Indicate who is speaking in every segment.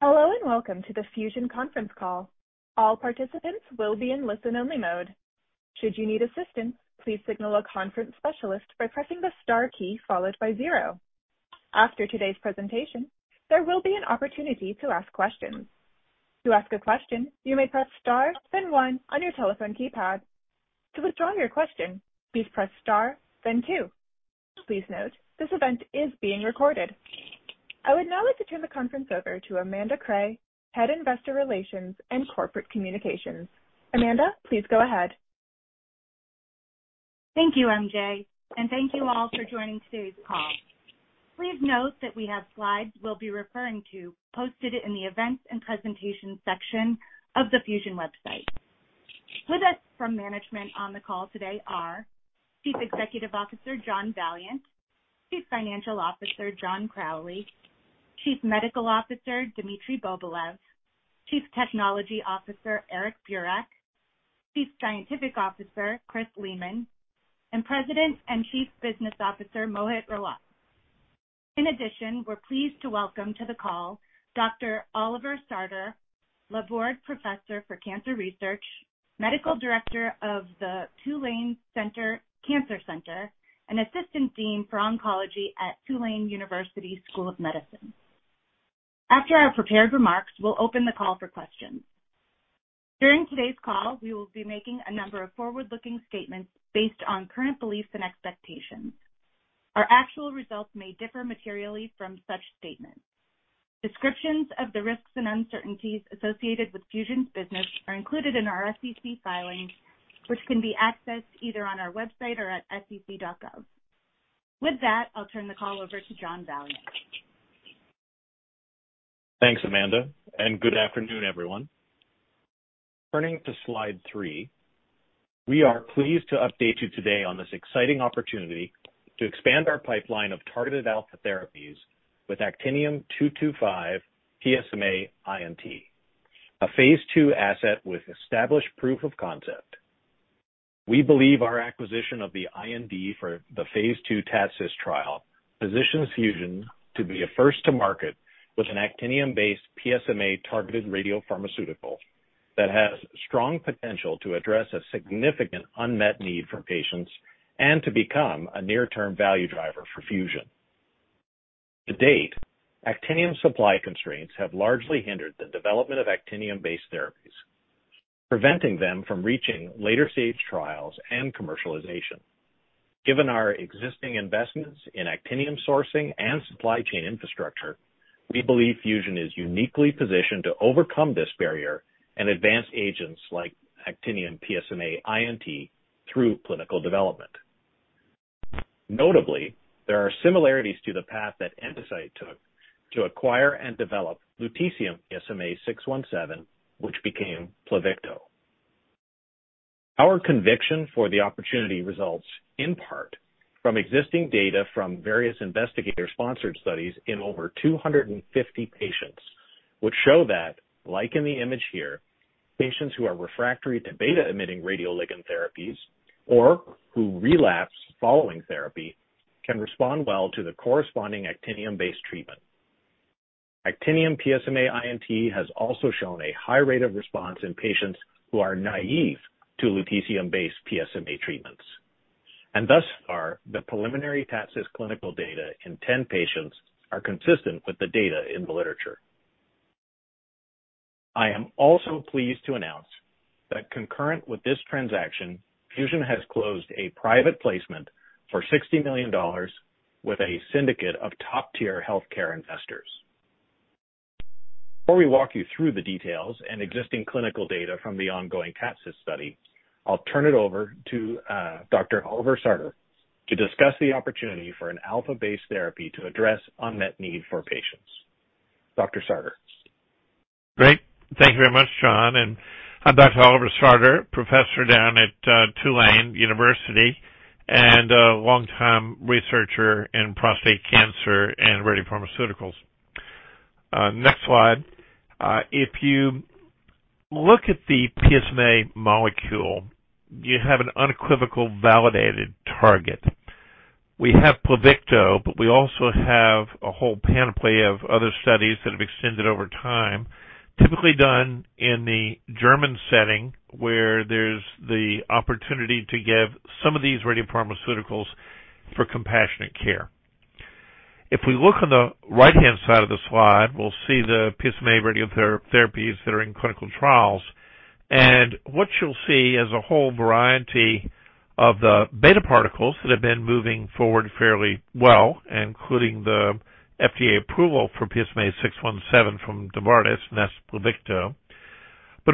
Speaker 1: Hello, welcome to the Fusion conference call. All participants will be in listen-only mode. Should you need assistance, please signal a conference specialist by pressing the star key followed by zero. After today's presentation, there will be an opportunity to ask questions. To ask a question, you may press star then 1 on your telephone keypad. To withdraw your question, please press star then two. Please note, this event is being recorded. I would now like to turn the conference over to Amanda Cray, Head Investor Relations and Corporate Communications. Amanda, please go ahead.
Speaker 2: Thank you, MJ. Thank you all for joining today's call. Please note that we have slides we'll be referring to posted in the Events and Presentation section of the Fusion website. With us from management on the call today are Chief Executive Officer John Valliant, Chief Financial Officer John Crowley, Chief Medical Officer Dmitri Bobilev, Chief Technology Officer Eric Burak, Chief Scientific Officer Chris Leamon, and President and Chief Business Officer Mohit Rawat. In addition, we're pleased to welcome to the call Dr. Oliver Sartor, Laborde Professor for Cancer Research, Medical Director of the Tulane Cancer Center, and Assistant Dean for Oncology at Tulane University School of Medicine. After our prepared remarks, we'll open the call for questions. During today's call, we will be making a number of forward-looking statements based on current beliefs and expectations. Our actual results may differ materially from such statements. Descriptions of the risks and uncertainties associated with Fusion's business are included in our SEC filings, which can be accessed either on our website or at sec.gov. With that, I'll turn the call over to John Valliant.
Speaker 3: Thanks, Amanda. Good afternoon, everyone. Turning to slide three, we are pleased to update you today on this exciting opportunity to expand our pipeline of targeted alpha therapies with actinium-225 PSMA I&T, a phase II asset with established proof of concept. We believe our acquisition of the IND for the phase II TATCIST trial positions Fusion to be a first to market with an actinium-based PSMA-targeted radiopharmaceutical that has strong potential to address a significant unmet need for patients and to become a near-term value driver for Fusion. To date, actinium supply constraints have largely hindered the development of actinium-based therapies, preventing them from reaching later-stage trials and commercialization. Given our existing investments in actinium sourcing and supply chain infrastructure, we believe Fusion is uniquely positioned to overcome this barrier and advance agents like actinium PSMA I&T through clinical development. Notably, there are similarities to the path that Endocyte took to acquire and develop lutetium PSMA-617, which became Pluvicto. Our conviction for the opportunity results in part from existing data from various investigator-sponsored studies in over 250 patients would show that, like in the image here, patients who are refractory to beta-emitting radioligand therapies or who relapse following therapy can respond well to the corresponding actinium-based treatment. Actinium PSMA I&T has also shown a high rate of response in patients who are naive to lutetium-based PSMA treatments. Thus far, the preliminary TATCIST clinical data in 10 patients are consistent with the data in the literature. I am also pleased to announce that concurrent with this transaction, Fusion has closed a private placement for $60 million with a syndicate of top-tier healthcare investors. Before we walk you through the details and existing clinical data from the ongoing TATCIST study, I'll turn it over to Dr. Oliver Sartor to discuss the opportunity for an alpha-based therapy to address unmet need for patients. Dr. Sartor.
Speaker 4: Great. Thank you very much, John. I'm Dr. Oliver Sartor, professor down at Tulane University and a longtime researcher in prostate cancer and radiopharmaceuticals. Next slide. If you look at the PSMA molecule, you have an unequivocal validated target. We have Pluvicto, we also have a whole panoply of other studies that have extended over time, typically done in the German setting, where there's the opportunity to give some of these radiopharmaceuticals for compassionate care. If we look on the right-hand side of the slide, we'll see the PSMA radiotherapies that are in clinical trials. What you'll see is a whole variety of the beta particles that have been moving forward fairly well, including the FDA approval for PSMA-617 from Novartis, and that's Pluvicto.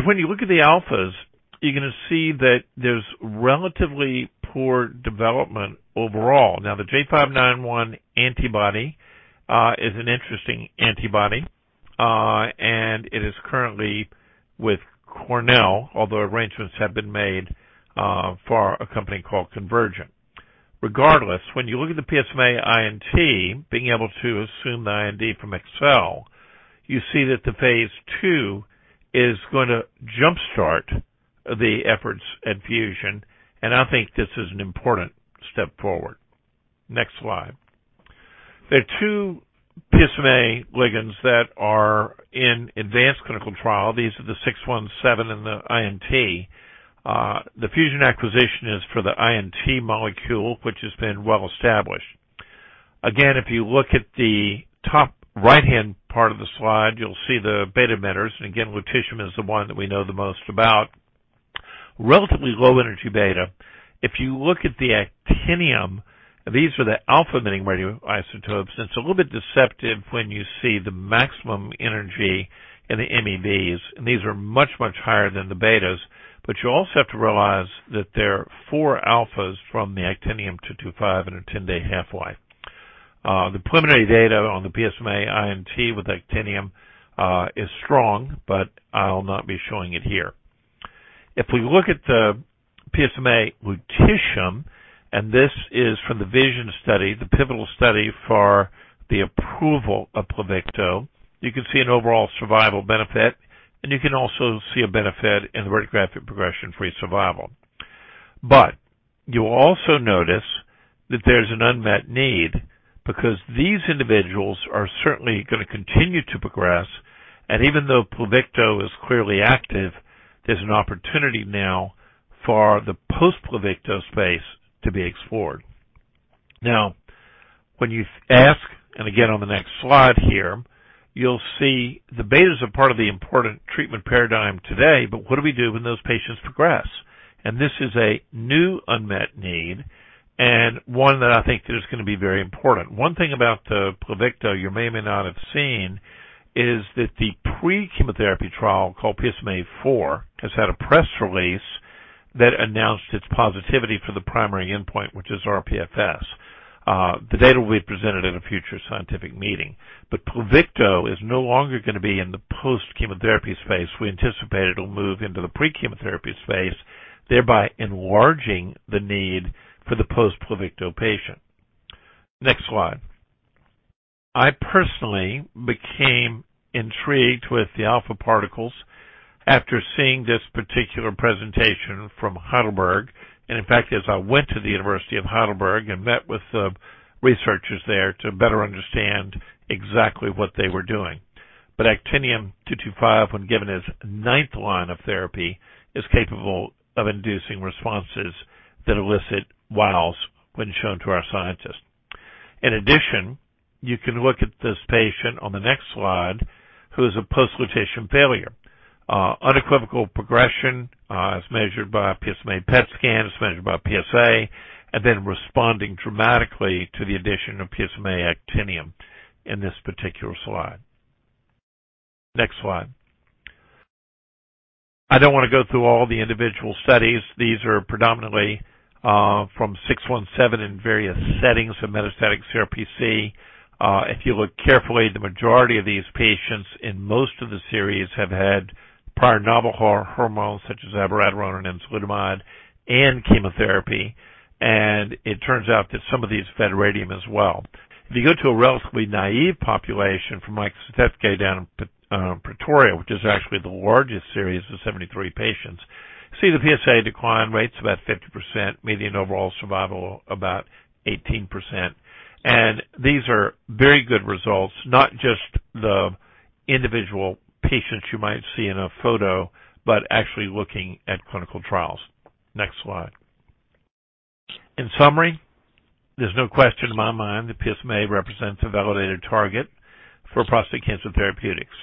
Speaker 4: When you look at the alphas, you're going to see that there's relatively poor development overall. The J591 antibody is an interesting antibody, and it is currently with Tulane University, although arrangements have been made for a company called Convergent Therapeutics. When you look at the PSMA I&T being able to assume the IND from Exelixis, you see that the phase II is gonna jumpstart the efforts at Fusion, and I think this is an important step forward. Next slide. There are two PSMA ligands that are in advanced clinical trial. These are the PSMA-617 and the PSMA I&T. The Fusion acquisition is for the PSMA I&T molecule, which has been well established. If you look at the top right-hand part of the slide, you'll see the beta emitters. Lutetium is the one that we know the most about. Relatively low energy beta. If you look at the actinium, these are the alpha-emitting radioisotopes, and it's a little bit deceptive when you see the maximum energy in the MeVs, and these are much, much higher than the betas. You also have to realize that there are four alphas from the actinium-225 and a 10-day half-life. The preliminary data on the PSMA I&T with actinium is strong, but I'll not be showing it here. If we look at the PSMA lutetium, and this is from the VISION study, the pivotal study for the approval of Pluvicto, you can see an overall survival benefit, and you can also see a benefit in the radiographic progression-free survival. You'll also notice that there's an unmet need because these individuals are certainly going to continue to progress. Even though Pluvicto is clearly active, there's an opportunity now for the post-Pluvicto space to be explored. When you ask, and again on the next slide here, you'll see the betas are part of the important treatment paradigm today. What do we do when those patients progress? This is a new unmet need and one that I think is going to be very important. One thing about the Pluvicto you may or may not have seen is that the pre-chemotherapy trial called PSMAfore has had a press release that announced its positivity for the primary endpoint, which is RPFS. The data will be presented at a future scientific meeting. Pluvicto is no longer going to be in the post-chemotherapy space. We anticipate it'll move into the pre-chemotherapy space, thereby enlarging the need for the post-Pluvicto patient. Next slide. I personally became intrigued with the alpha particles after seeing this particular presentation from Heidelberg, and in fact, as I went to the University of Heidelberg and met with the researchers there to better understand exactly what they were doing. Actinium-225, when given as ninth line of therapy, is capable of inducing responses that elicit wows when shown to our scientists. In addition, you can look at this patient on the next slide, who is a post-lutetium failure. Unequivocal progression, as measured by PSMA PET scans, measured by PSA, and then responding dramatically to the addition of PSMA actinium in this particular slide. Next slide. I don't want to go through all the individual studies. These are predominantly from 617 in various settings of metastatic CRPC. If you look carefully, the majority of these patients in most of the series have had prior novel hormones such as abiraterone and enzalutamide and chemotherapy. It turns out that some of these had radium as well. If you go to a relatively naive population from Mike Sathekge down in Pretoria, which is actually the largest series of 73 patients, see the PSA decline rates about 50%, median overall survival about 18%. These are very good results, not just the individual patients you might see in a photo, but actually looking at clinical trials. Next slide. In summary, there's no question in my mind that PSMA represents a validated target for prostate cancer therapeutics.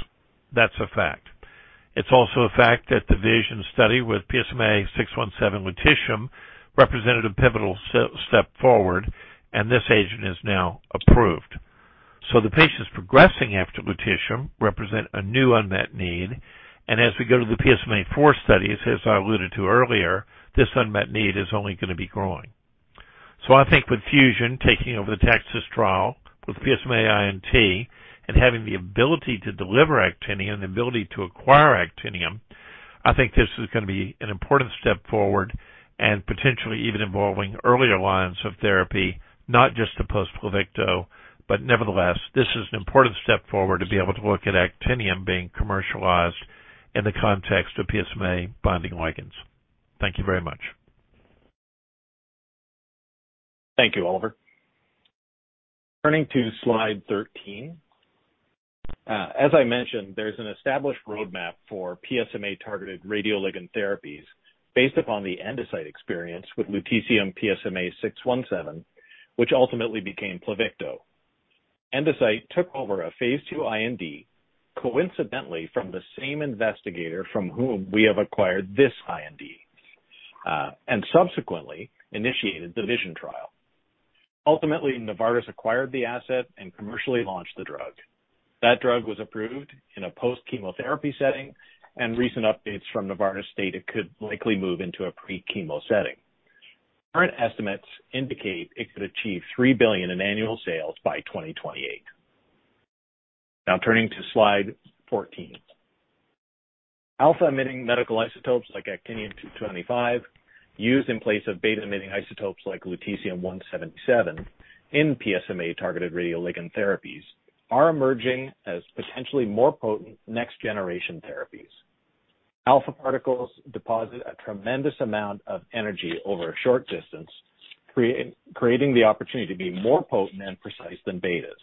Speaker 4: That's a fact. It's also a fact that the VISION study with PSMA-617 lutetium represented a pivotal step forward, and this agent is now approved. The patients progressing after lutetium represent a new unmet need, and as we go to the PSMAfore studies, as I alluded to earlier, this unmet need is only going to be growing. I think with Fusion taking over the TATCIST trial with PSMA I&T and having the ability to deliver actinium, the ability to acquire actinium, I think this is going to be an important step forward and potentially even involving earlier lines of therapy, not just to post-Pluvicto, but nevertheless, this is an important step forward to be able to look at actinium being commercialized in the context of PSMA binding ligands. Thank you very much.
Speaker 3: Thank you, Oliver. Turning to slide 13. As I mentioned, there's an established roadmap for PSMA-targeted radioligand therapies based upon the Endocyte experience with lutetium PSMA-617, which ultimately became Pluvicto. Endocyte took over a Phase II IND, coincidentally from the same investigator from whom we have acquired this IND, and subsequently initiated the VISION trial. Ultimately, Novartis acquired the asset and commercially launched the drug. That drug was approved in a post-chemotherapy setting, and recent updates from Novartis state it could likely move into a pre-chemo setting. Current estimates indicate it could achieve $3 billion in annual sales by 2028. Turning to slide 14. Alpha-emitting medical isotopes like actinium-225, used in place of beta-emitting isotopes like lutetium-177 in PSMA-targeted radioligand therapies are emerging as potentially more potent next-generation therapies. Alpha particles deposit a tremendous amount of energy over a short distance, creating the opportunity to be more potent and precise than betas.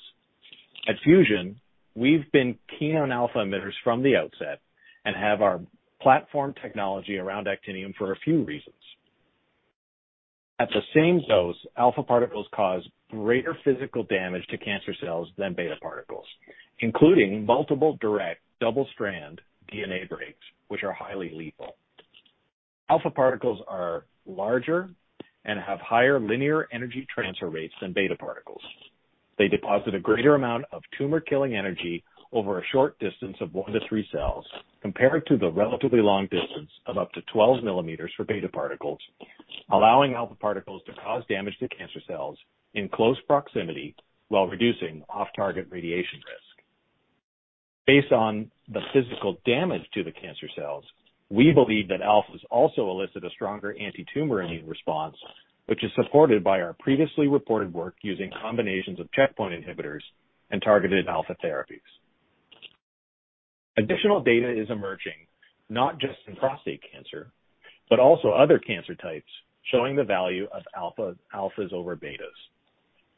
Speaker 3: At Fusion, we've been keen on alpha emitters from the outset and have our platform technology around actinium for a few reasons. At the same dose, alpha particles cause greater physical damage to cancer cells than beta particles, including multiple direct double-strand DNA breaks, which are highly lethal. Alpha particles are larger and have higher linear energy transfer rates than beta particles. They deposit a greater amount of tumor killing energy over a short distance of one to 3three cells compared to the relatively long distance of up to 12 millimeters for beta particles, allowing alpha particles to cause damage to cancer cells in close proximity while reducing off-target radiation risk. Based on the physical damage to the cancer cells, we believe that alphas also elicit a stronger antitumor immune response, which is supported by our previously reported work using combinations of checkpoint inhibitors and targeted alpha therapies. Additional data is emerging not just in prostate cancer, but also other cancer types, showing the value of alphas over betas.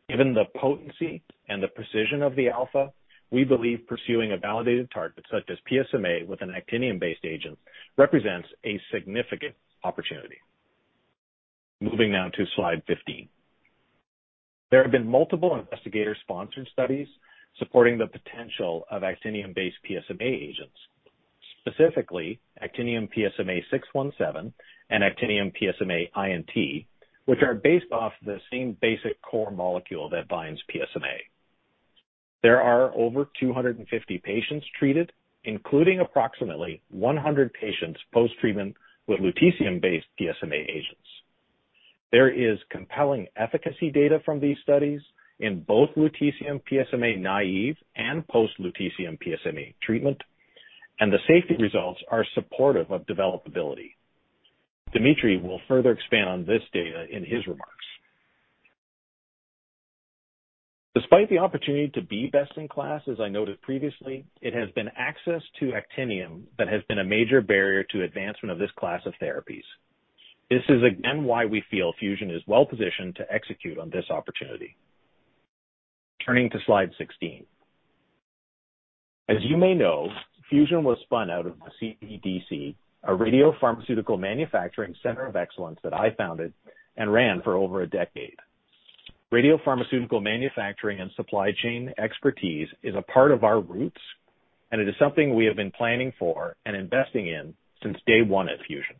Speaker 3: Given the potency and the precision of the alpha, we believe pursuing a validated target such as PSMA with an actinium-based agent represents a significant opportunity. Moving now to slide 15. There have been multiple investigator-sponsored studies supporting the potential of actinium-based PSMA agents, specifically actinium PSMA-617 and actinium PSMA I&T, which are based off the same basic core molecule that binds PSMA. There are over 250 patients treated, including approximately 100 patients post-treatment with lutetium-based PSMA agents. There is compelling efficacy data from these studies in both lutetium PSMA-naive and post-lutetium PSMA treatment, and the safety results are supportive of developability. Dmitri will further expand on this data in his remarks. Despite the opportunity to be best in class, as I noted previously, it has been access to actinium that has been a major barrier to advancement of this class of therapies. This is again why we feel Fusion is well-positioned to execute on this opportunity. Turning to slide 16. As you may know, Fusion was spun out of the CPDC, a radiopharmaceutical manufacturing center of excellence that I founded and ran for over a decade. Radiopharmaceutical manufacturing and supply chain expertise is a part of our roots. It is something we have been planning for and investing in since day one at Fusion.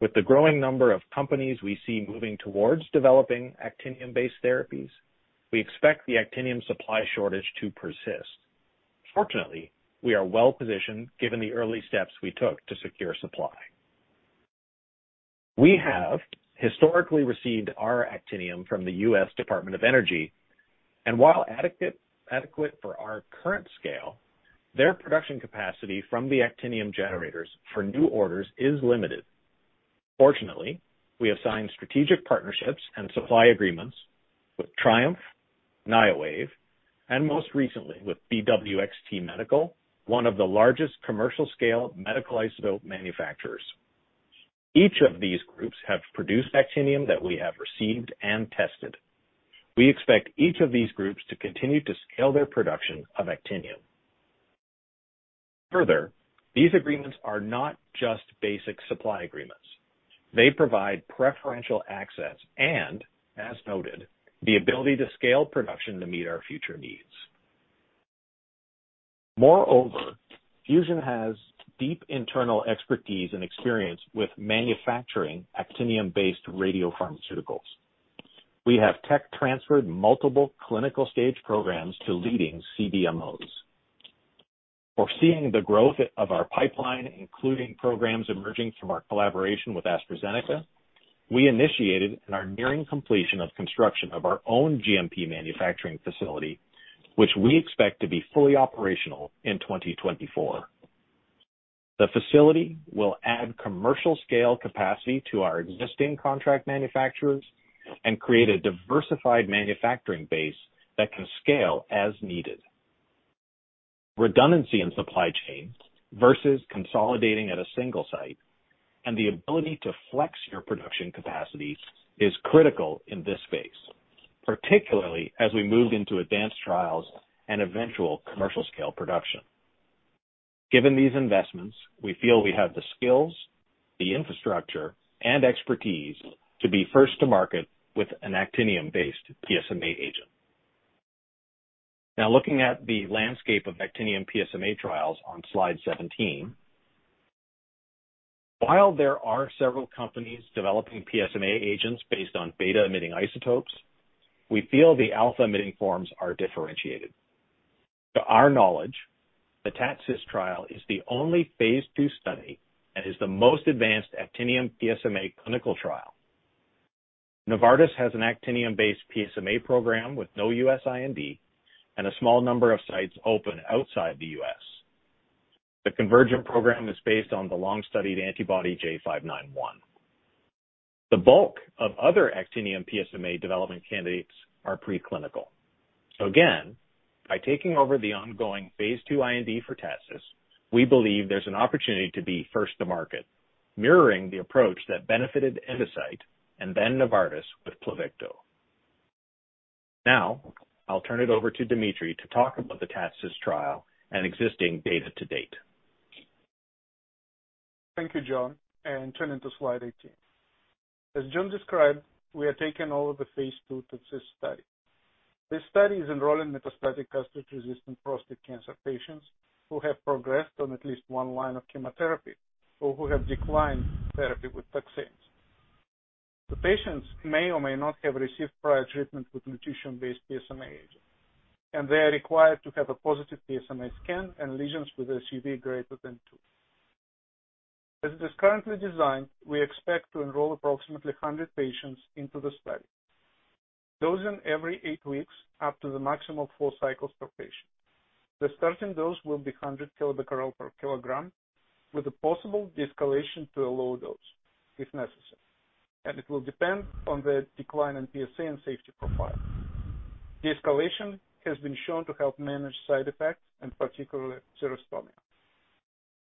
Speaker 3: With the growing number of companies we see moving towards developing actinium-based therapies, we expect the actinium supply shortage to persist. We are well-positioned given the early steps we took to secure supply. We have historically received our actinium from the U.S. Department of Energy, and while adequate for our current scale, their production capacity from the actinium generators for new orders is limited. We have signed strategic partnerships and supply agreements with TRIUMF, Niowave, and most recently with BWXT Medical, one of the largest commercial scale medical isotope manufacturers. Each of these groups have produced actinium that we have received and tested. We expect each of these groups to continue to scale their production of actinium. These agreements are not just basic supply agreements. They provide preferential access and, as noted, the ability to scale production to meet our future needs. Fusion has deep internal expertise and experience with manufacturing actinium-based radiopharmaceuticals. We have tech transferred multiple clinical stage programs to leading CDMOs. Foreseeing the growth of our pipeline, including programs emerging from our collaboration with AstraZeneca, we initiated and are nearing completion of construction of our own GMP manufacturing facility, which we expect to be fully operational in 2024. The facility will add commercial scale capacity to our existing contract manufacturers and create a diversified manufacturing base that can scale as needed. Redundancy in supply chain versus consolidating at a single site and the ability to flex your production capacities is critical in this space, particularly as we move into advanced trials and eventual commercial scale production. Given these investments, we feel we have the skills, the infrastructure and expertise to be first to market with an actinium-based PSMA agent. Looking at the landscape of actinium PSMA trials on slide 17. There are several companies developing PSMA agents based on beta emitting isotopes, we feel the alpha emitting forms are differentiated. To our knowledge, the TATCIST trial is the only phase II study and is the most advanced actinium PSMA clinical trial. Novartis has an actinium-based PSMA program with no U.S. IND and a small number of sites open outside the U.S. The Convergent program is based on the long-studied antibody J591. The bulk of other actinium PSMA development candidates are preclinical. By taking over the ongoing Phase II IND for TATCIST, we believe there's an opportunity to be first to market, mirroring the approach that benefited Endocyte and then Novartis with Pluvicto. I'll turn it over to Dmitri to talk about the TATCIST trial and existing data to date.
Speaker 5: Thank you, John. Turning to slide 18. As John described, we are taking over the phase II TATCIST study. This study is enrolling metastatic castration-resistant prostate cancer patients who have progressed on at least one line of chemotherapy or who have declined therapy with taxanes. The patients may or may not have received prior treatment with lutetium-based PSMA agent, and they are required to have a positive PSMA scan and lesions with SUV greater than two. As it is currently designed, we expect to enroll approximately 100 patients into the study, dosing every eight weeks up to the maximum four cycles per patient. The starting dose will be 100 kBq per kg with a possible de-escalation to a lower dose if necessary, and it will depend on the decline in PSA and safety profile. De-escalation has been shown to help manage side effects and particularly xerostomia.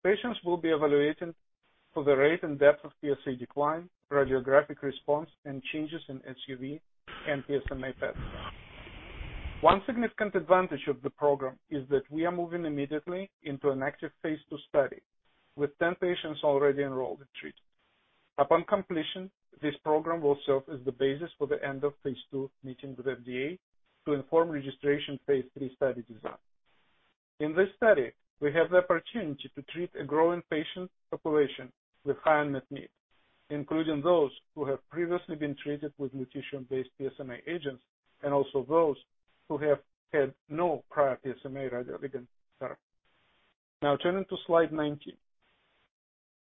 Speaker 5: Patients will be evaluated for the rate and depth of PSA decline, radiographic response, and changes in SUV and PSMA PET. One significant advantage of the program is that we are moving immediately into an active phase II study, with 10 patients already enrolled in treatment. Upon completion, this program will serve as the basis for the end of phase II meeting with FDA to inform registration phase III study design. In this study, we have the opportunity to treat a growing patient population with high unmet need, including those who have previously been treated with lutetium-based PSMA agents and also those who have had no prior PSMA radioligand therapy. Turning to slide 19.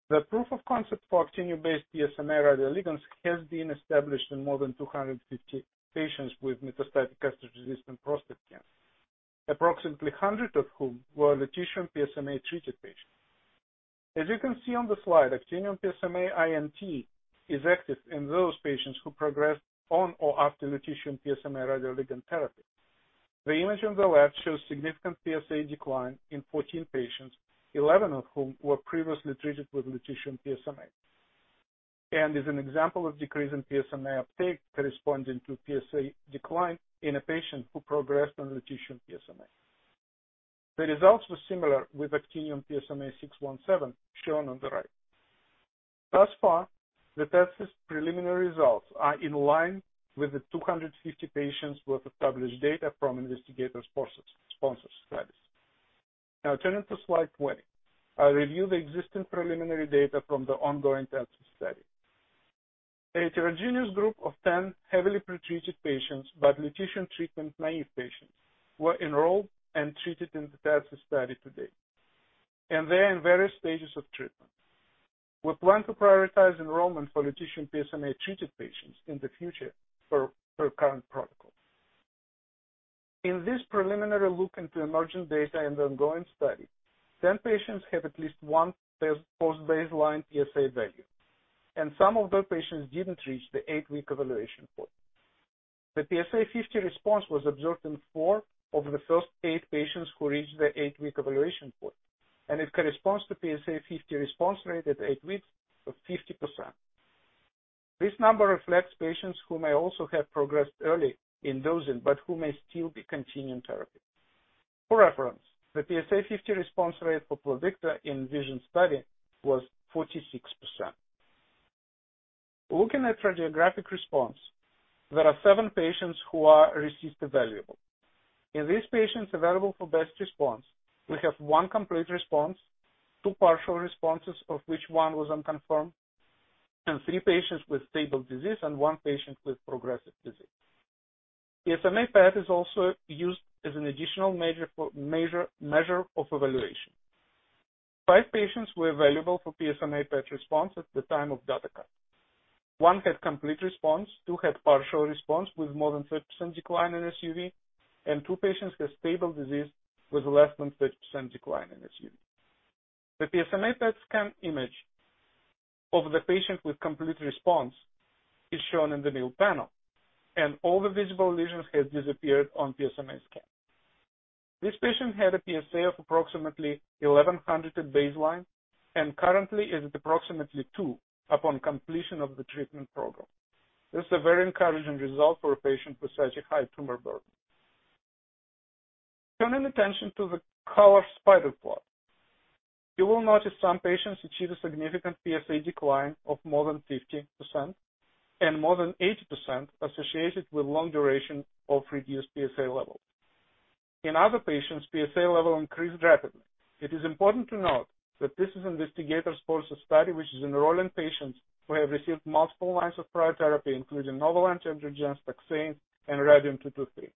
Speaker 5: The proof of concept for actinium-based PSMA radioligands has been established in more than 250 patients with metastatic castration-resistant prostate cancer, approximately 100 of whom were lutetium PSMA-treated patients. As you can see on the slide, actinium PSMA I&T is active in those patients who progressed on or after lutetium PSMA radioligand therapy. The image on the left shows significant PSA decline in 14 patients, 11 of whom were previously treated with lutetium PSMA, and is an example of decrease in PSMA uptake corresponding to PSA decline in a patient who progressed on lutetium PSMA. The results were similar with actinium PSMA-617, shown on the right. Thus far, the TATCIST preliminary results are in line with the 250 patients with established data from investigator-sponsored studies. Turning to slide 20. I'll review the existing preliminary data from the ongoing TATCIST study. A heterogeneous group of 10 heavily pre-treated patients but lutetium treatment-naive patients were enrolled and treated in the TATCIST study to date, and they are in various stages of treatment. We plan to prioritize enrollment for lutetium PSMA-treated patients in the future for current protocol. In this preliminary look into emerging data in the ongoing study, 10 patients have at least one post-baseline PSA value, and some of those patients didn't reach the 8-week evaluation point. The PSA 50 response was observed in four of the first eight patients who reached the 8-week evaluation point, and it corresponds to PSA 50 response rate at eight weeks of 50%. This number reflects patients who may also have progressed early in dosing but who may still be continuing therapy. For reference, the PSA 50 response rate for Pluvicto in VISION study was 46%. Looking at radiographic response, there are seven patients who are resistant variable. In these patients available for best response, we have one complete response, two partial responses of which one was unconfirmed, and three patients with stable disease and one patient with progressive disease. PSMA PET is also used as an additional measure of evaluation. Five patients were available for PSMA PET response at the time of data cut. One had complete response, two had partial response with more than 30% decline in SUV, and two patients had stable disease with less than 30% decline in SUV. The PSMA PET scan image of the patient with complete response is shown in the middle panel, and all the visible lesions have disappeared on PSMA scan. This patient had a PSA of approximately 1,100 at baseline and currently is at approximately two upon completion of the treatment program. This is a very encouraging result for a patient with such a high tumor burden. Turning attention to the colored spider plot. You will notice some patients achieve a significant PSA decline of more than 50% and more than 80% associated with long duration of reduced PSA level. In other patients, PSA level increased rapidly. It is important to note that this is investigator-sponsored study, which is enrolling patients who have received multiple lines of prior therapy, including novel anti-androgens, taxane, and radium-223,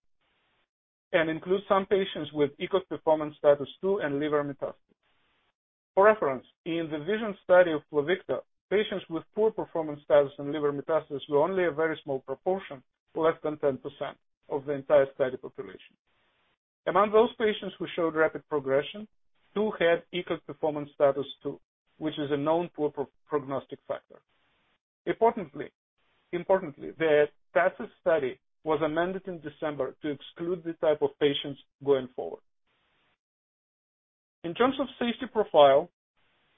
Speaker 5: and includes some patients with ECOG performance status 2 and liver metastasis. For reference, in the VISION study of Pluvicto, patients with poor performance status and liver metastasis were only a very small proportion, less than 10% of the entire study population. Among those patients who showed rapid progression, two had ECOG performance status 2, which is a known poor prognostic factor. Importantly, the TATCIST study was amended in December to exclude these type of patients going forward. In terms of safety profile,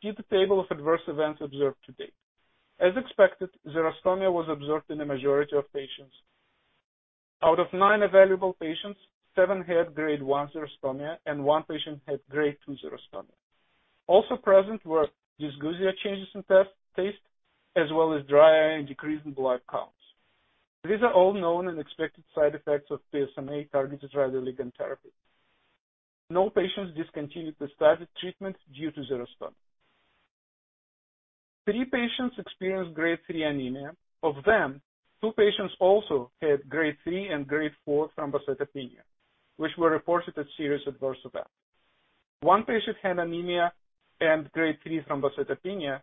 Speaker 5: see the table of adverse events observed to date. As expected, xerostomia was observed in the majority of patients. Out of nine evaluable patients, seven had grade one xerostomia, and one patient had grade two xerostomia. Also present were dysgeusia, changes in taste, as well as dry eye and decrease in blood counts. These are all known and expected side effects of PSMA targeted radioligand therapy. No patients discontinued the study treatment due to xerostomia. Three patients experienced grade three anemia. Of them, two patients also had grade three and grade four thrombocytopenia, which were reported as serious adverse events. One patient had anemia and grade three thrombocytopenia,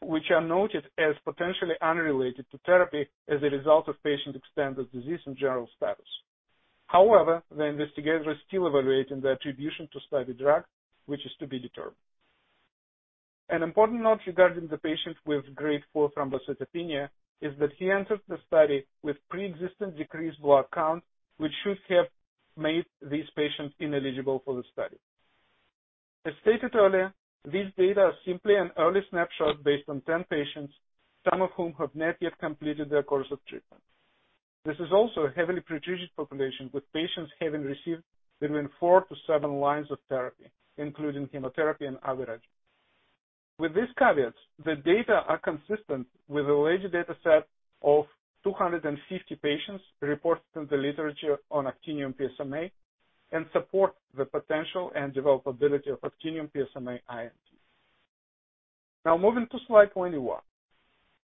Speaker 5: which are noted as potentially unrelated to therapy as a result of patient extended disease in general status. The investigator is still evaluating the attribution to study drug, which is to be determined. An important note regarding the patient with grade four thrombocytopenia is that he entered the study with pre-existing decreased blood count, which should have made this patient ineligible for the study. As stated earlier, these data are simply an early snapshot based on 10 patients, some of whom have not yet completed their course of treatment. This is also a heavily pre-treated population, with patients having received between four to seven lines of therapy, including chemotherapy and abiraterone. With these caveats, the data are consistent with a larger data set of 250 patients reported in the literature on actinium PSMA and support the potential and developability of actinium PSMA IND. Moving to slide 21.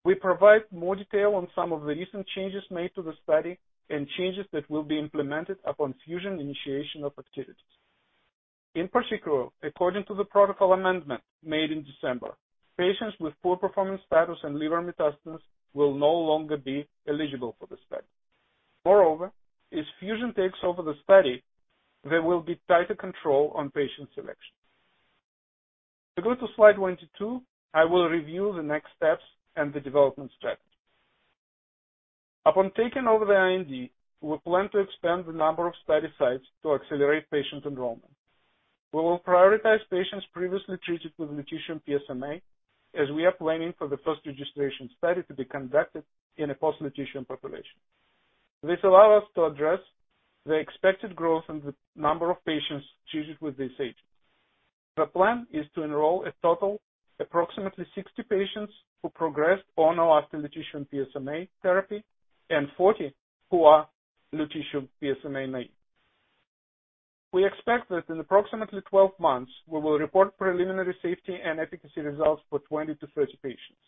Speaker 5: We provide more detail on some of the recent changes made to the study and changes that will be implemented upon Fusion initiation of activities. In particular, according to the protocol amendment made in December, patients with poor performance status and liver metastasis will no longer be eligible for the study. Moreover, as Fusion takes over the study, there will be tighter control on patient selection. To go to slide 22, I will review the next steps and the development strategy. Upon taking over the IND, we plan to expand the number of study sites to accelerate patient enrollment. We will prioritize patients previously treated with lutetium PSMA, as we are planning for the first registration study to be conducted in a post-lutetium population. This allow us to address the expected growth in the number of patients treated with this agent. The plan is to enroll a total approximately 60 patients who progressed on or after lutetium PSMA therapy and 40 who are lutetium PSMA naive. We expect that in approximately 12 months we will report preliminary safety and efficacy results for 20 to 30 patients.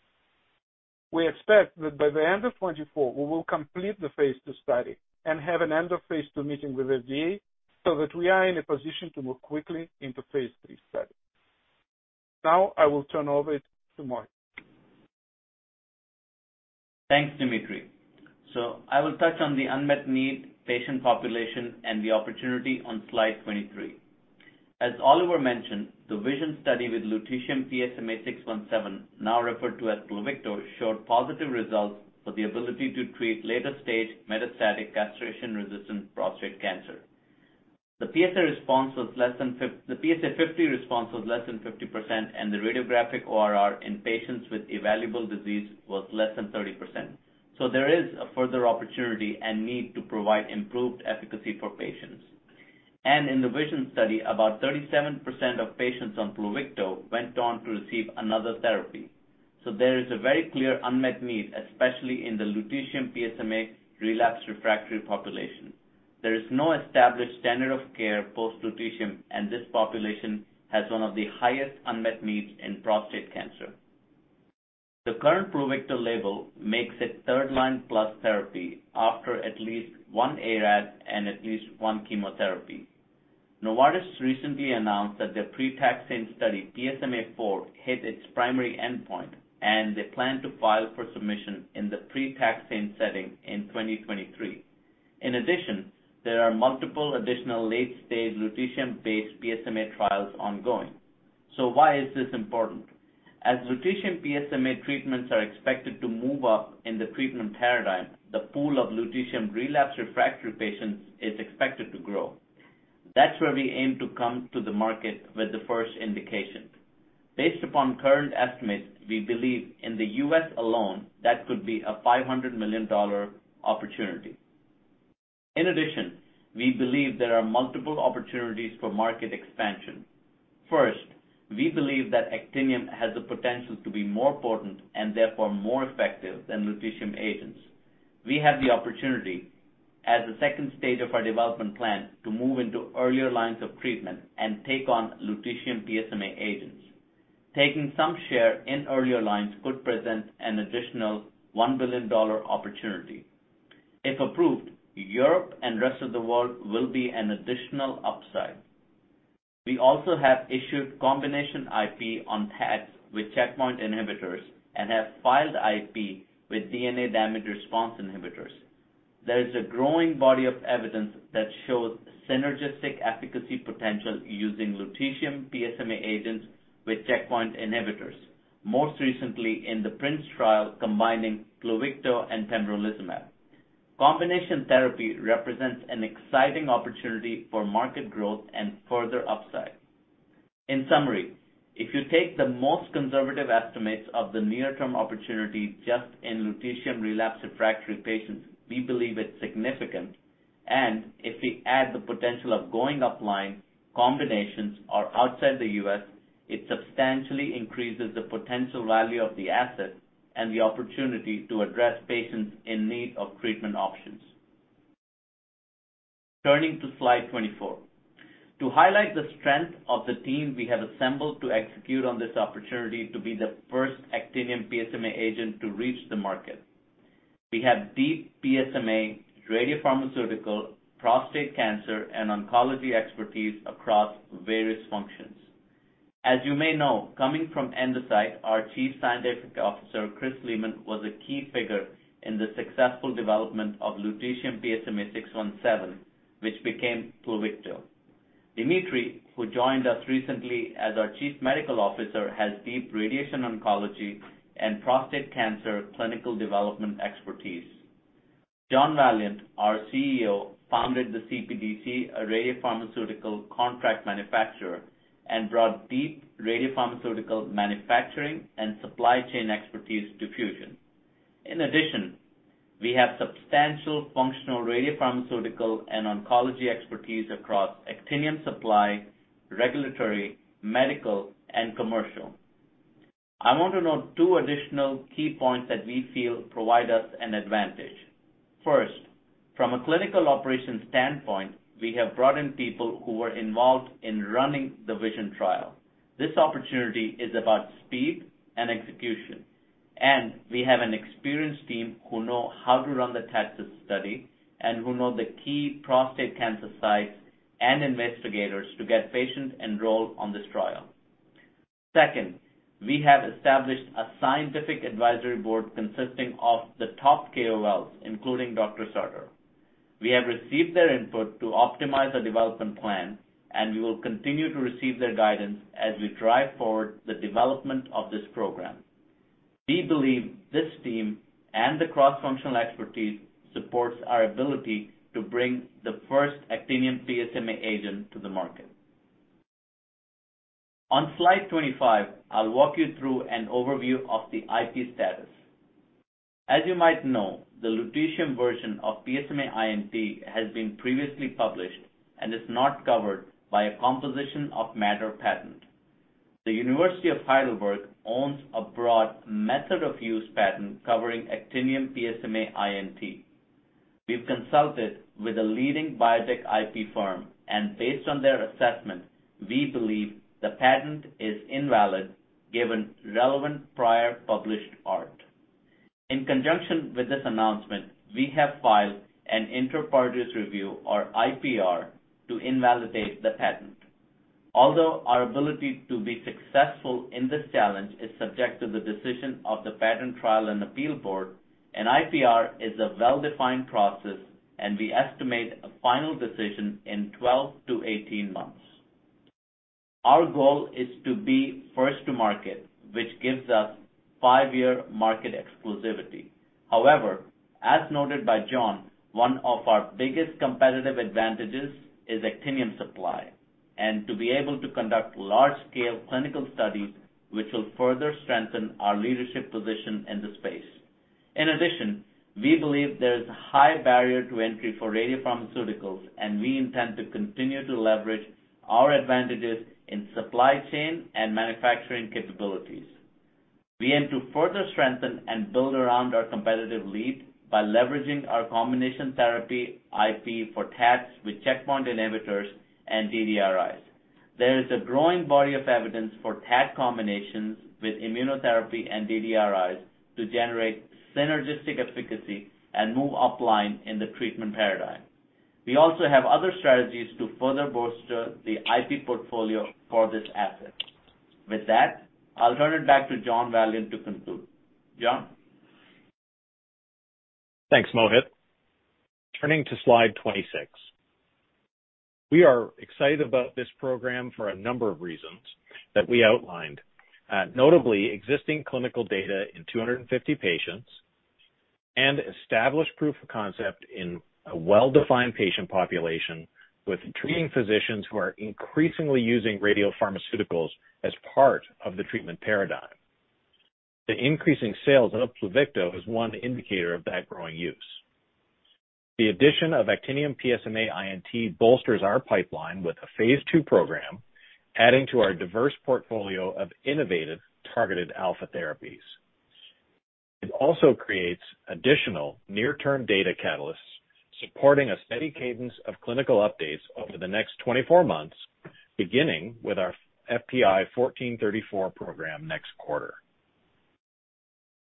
Speaker 5: We expect that by the end of 2024 we will complete the phase II study and have an end of phase II meeting with FDA so that we are in a position to move quickly into phase III study. I will turn over it to Mohit.
Speaker 6: Thanks, Dmitri. I will touch on the unmet need patient population and the opportunity on slide 23. As Oliver mentioned, the VISION study with lutetium PSMA-617, now referred to as Pluvicto, showed positive results for the ability to treat later stage metastatic castration-resistant prostate cancer. The PSA 50% response was less than 50%, and the radiographic ORR in patients with evaluable disease was less than 30%, there is a further opportunity and need to provide improved efficacy for patients. In the VISION study, about 37% of patients on Pluvicto went on to receive another therapy, there is a very clear unmet need, especially in the lutetium PSMA relapsed refractory population. There is no established standard of care post-lutetium, this population has one of the highest unmet needs in prostate cancer. The current Pluvicto label makes it third line plus therapy after at least one ARTA and at least one chemotherapy. Novartis recently announced that their pre-taxane study, PSMAfore, hit its primary endpoint, and they plan to file for submission in the pre-taxane setting in 2023. In addition, there are multiple additional late-stage lutetium-based PSMA trials ongoing. Why is this important? As lutetium PSMA treatments are expected to move up in the treatment paradigm, the pool of lutetium relapsed refractory patients is expected to grow. That's where we aim to come to the market with the first indication. Based upon current estimates, we believe in the U.S. alone, that could be a $500 million opportunity. In addition, we believe there are multiple opportunities for market expansion. First, we believe that actinium has the potential to be more potent and therefore more effective than lutetium agents. We have the opportunity as a second stage of our development plan to move into earlier lines of treatment and take on lutetium PSMA agents. Taking some share in earlier lines could present an additional $1 billion opportunity. If approved, Europe and rest of the world will be an additional upside. We also have issued combination IP on TATs with checkpoint inhibitors and have filed IP with DNA damage response inhibitors. There is a growing body of evidence that shows synergistic efficacy potential using lutetium PSMA agents with checkpoint inhibitors, most recently in the PRINCE trial combining Pluvicto and pembrolizumab. Combination therapy represents an exciting opportunity for market growth and further upside. In summary, if you take the most conservative estimates of the near term opportunity just in lutetium relapsed refractory patients, we believe it's significant. If we add the potential of going upline, combinations or outside the U.S., it substantially increases the potential value of the asset and the opportunity to address patients in need of treatment options. Turning to slide 24. To highlight the strength of the team we have assembled to execute on this opportunity to be the first actinium PSMA agent to reach the market. We have deep PSMA radiopharmaceutical, prostate cancer and oncology expertise across various functions. As you may know, coming from Endocyte, our Chief Scientific Officer, Chris Leamon, was a key figure in the successful development of lutetium PSMA-617, which became Pluvicto. Dmitry, who joined us recently as our Chief Medical Officer, has deep radiation oncology and prostate cancer clinical development expertise. John Valliant, our CEO, founded the CPDC, a radiopharmaceutical contract manufacturer, and brought deep radiopharmaceutical manufacturing and supply chain expertise to Fusion. In addition, we have substantial functional radiopharmaceutical and oncology expertise across actinium supply, regulatory, medical, and commercial. I want to note two additional key points that we feel provide us an advantage. First, from a clinical operations standpoint, we have brought in people who were involved in running the VISION trial. This opportunity is about speed and execution, and we have an experienced team who know how to run the TATCIST study and who know the key prostate cancer sites and investigators to get patients enrolled on this trial. Second, we have established a scientific advisory board consisting of the top KOLs, including Dr. Sartor. We have received their input to optimize the development plan, and we will continue to receive their guidance as we drive forward the development of this program. We believe this team and the cross-functional expertise supports our ability to bring the first actinium PSMA agent to the market. On slide 25, I'll walk you through an overview of the IP status. As you might know, the lutetium version of PSMA I&T has been previously published and is not covered by a composition of matter patent. Heidelberg University owns a broad method of use patent covering actinium PSMA I&T. We've consulted with a leading biotech IP firm, and based on their assessment, we believe the patent is invalid given relevant prior published art. In conjunction with this announcement, we have filed an Inter Partes Review, or IPR, to invalidate the patent. Although our ability to be successful in this challenge is subject to the decision of the Patent Trial and Appeal Board, an IPR is a well-defined process and we estimate a final decision in 12-18 months. Our goal is to be first to market, which gives us 5-year market exclusivity. As noted by John, one of our biggest competitive advantages is actinium supply and to be able to conduct large-scale clinical studies which will further strengthen our leadership position in the space. We believe there is a high barrier to entry for radiopharmaceuticals, and we intend to continue to leverage our advantages in supply chain and manufacturing capabilities. We aim to further strengthen and build around our competitive lead by leveraging our combination therapy IP for TATS with checkpoint inhibitors and DDRIs. There is a growing body of evidence for TAT combinations with immunotherapy and DDRIs to generate synergistic efficacy and move upline in the treatment paradigm. We also have other strategies to further bolster the IP portfolio for this asset. With that, I'll turn it back to John Valliant to conclude. John?
Speaker 3: Thanks, Mohit. Turning to slide 26. We are excited about this program for a number of reasons that we outlined. Notably existing clinical data in 250 patients and established proof of concept in a well-defined patient population with treating physicians who are increasingly using radiopharmaceuticals as part of the treatment paradigm. The increasing sales of Pluvicto is one indicator of that growing use. The addition of actinium PSMA I&T bolsters our pipeline with a phase II program, adding to our diverse portfolio of innovative targeted alpha therapies. It also creates additional near-term data catalysts, supporting a steady cadence of clinical updates over the next 24 months, beginning with our FPI-1434 program next quarter.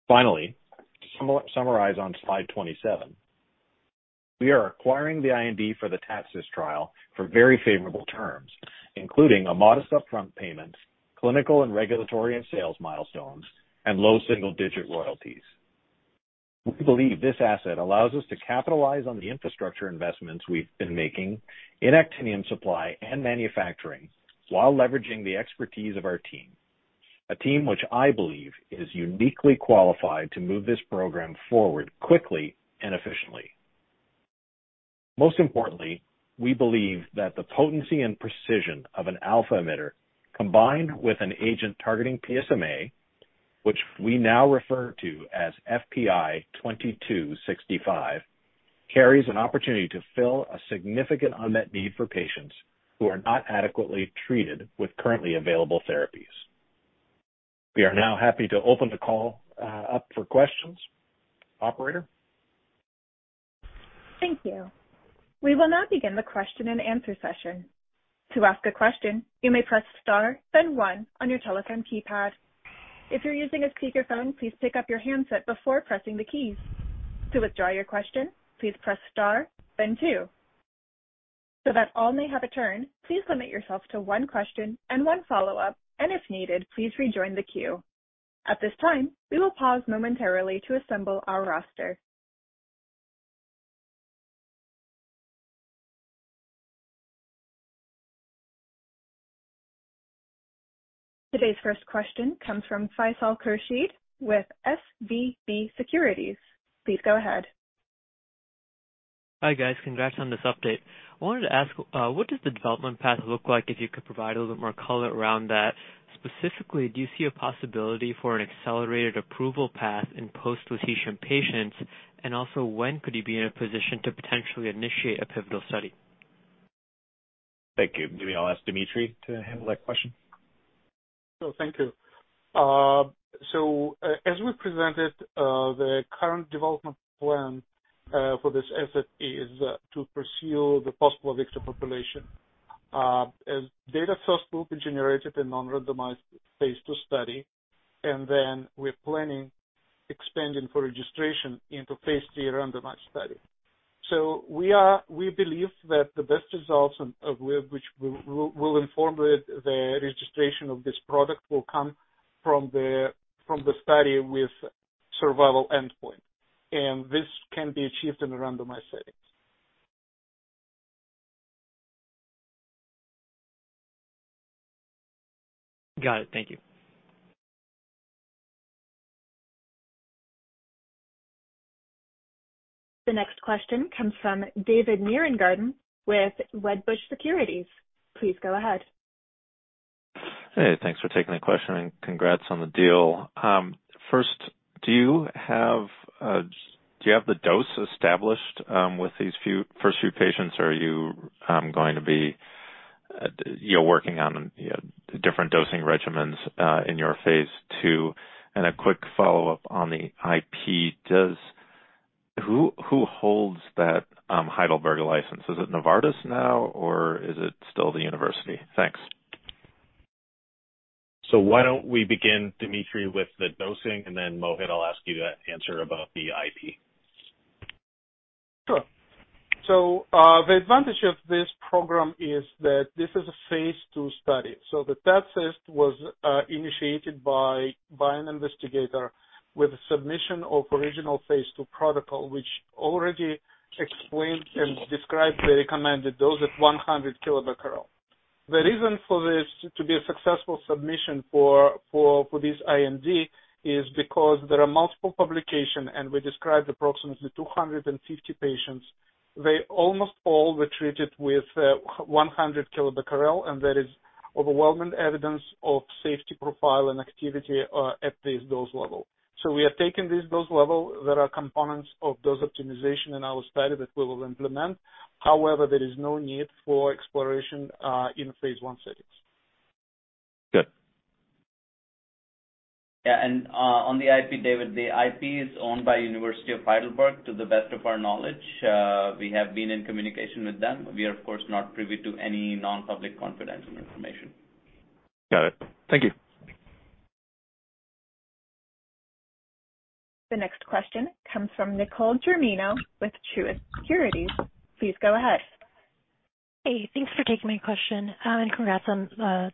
Speaker 3: Finally, to summarize on slide 27, we are acquiring the IND for the TATCIST trial for very favorable terms, including a modest upfront payment, clinical and regulatory and sales milestones, and low single-digit royalties. We believe this asset allows us to capitalize on the infrastructure investments we've been making in actinium supply and manufacturing while leveraging the expertise of our team, a team which I believe is uniquely qualified to move this program forward quickly and efficiently. Most importantly, we believe that the potency and precision of an alpha emitter combined with an agent targeting PSMA, which we now refer to as FPI-2265, carries an opportunity to fill a significant unmet need for patients who are not adequately treated with currently available therapies. We are now happy to open the call up for questions. Operator?
Speaker 1: Thank you. We will now begin the question-and-answer session. To ask a question, you may press star then one on your telephone keypad. If you're using a speakerphone, please pick up your handset before pressing the keys. To withdraw your question, please press star then two. That all may have a turn, please limit yourself to one question and one follow-up, and if needed, please rejoin the queue. At this time, we will pause momentarily to assemble our roster. Today's first question comes from Faisal Khurshid with SVB Securities. Please go ahead.
Speaker 7: Hi, guys. Congrats on this update. I wanted to ask, what does the development path look like if you could provide a little more color around that? Specifically, do you see a possibility for an accelerated approval path in post-lutetium patients? Also, when could you be in a position to potentially initiate a pivotal study?
Speaker 3: Thank you. Maybe I'll ask Dmitry to handle that question.
Speaker 5: Sure. Thank you. As we presented, the current development plan for this asset is to pursue the possible vector population. As data first will be generated in non-randomized phase II study, we're planning expanding for registration into phase III randomized study. We believe that the best results of which we'll inform with the registration of this product will come from the, from the study with survival endpoint, this can be achieved in a randomized setting.
Speaker 7: Got it. Thank you.
Speaker 1: The next question comes from David Nierengarten with Wedbush Securities. Please go ahead.
Speaker 8: Hey, thanks for taking the question, and congrats on the deal. First, do you have the dose established with these first few patients? Are you going to be working on, you know, different dosing regimens in your phase II? A quick follow-up on the IP. Who holds that Heidelberg license? Is it Novartis now, or is it still the university? Thanks.
Speaker 3: Why don't we begin, Dmitri, with the dosing, and then, Mohit, I'll ask you to answer about the IP.
Speaker 5: Sure. The advantage of this program is that this is a phase II study. The TATCIST was initiated by an investigator with a submission of original phase II protocol, which already explained and described the recommended dose at kBq. The reason for this to be a successful submission for this IND is because there are multiple publications, and we described approximately 250 patients. They almost all were treated with 100 kBq, and there is overwhelming evidence of safety profile and activity at this dose level. We are taking this dose level. There are components of dose optimization in our study that we will implement. There is no need for exploration in phase I settings.
Speaker 8: Good.
Speaker 6: Yeah. On the IP, David, the IP is owned by Heidelberg University, to the best of our knowledge. We have been in communication with them. We are, of course, not privy to any non-public confidential information.
Speaker 8: Got it. Thank you.
Speaker 1: The next question comes from Nicole Germino with Truist Securities. Please go ahead.
Speaker 9: Hey, thanks for taking my question, and congrats on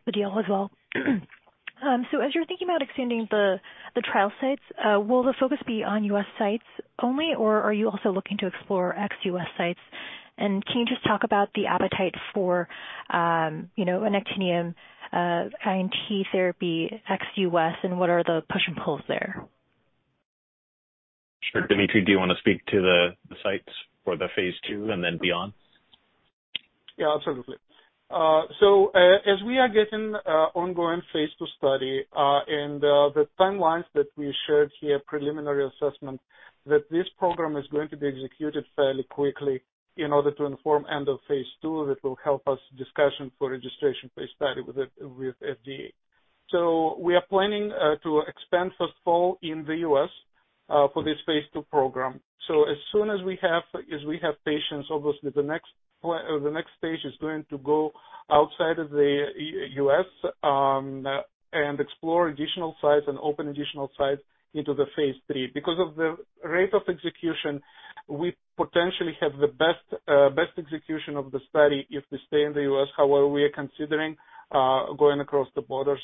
Speaker 9: the deal as well. As you're thinking about extending the trial sites, will the focus be on U.S. sites only, or are you also looking to explore ex-U.S. sites? Can you just talk about the appetite for, you know, an actinium I&T therapy ex-U.S., and what are the push and pulls there?
Speaker 3: Sure. Dmitri, do you wanna speak to the sites for the phase II and then beyond?
Speaker 5: Yeah, absolutely. As we are getting ongoing phase II study, and the timelines that we shared here, preliminary assessment, that this program is going to be executed fairly quickly in order to inform end of phase II that will help us discussion for registration phase study with the FDA. We are planning to expand first of all in the U.S. for this phase II program. As soon as we have patients, obviously the next stage is going to go outside of the U.S. and explore additional sites and open additional sites into the phase III. Because of the rate of execution, we potentially have the best execution of the study if we stay in the U.S. However, we are considering going across the borders